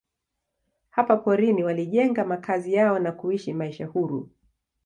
Hapa porini walijenga makazi yao na kuishi maisha huru.